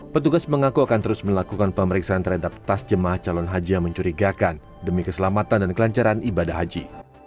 petugas mengaku akan terus melakukan pemeriksaan terhadap tas jemaah calon haji yang mencurigakan demi keselamatan dan kelancaran ibadah haji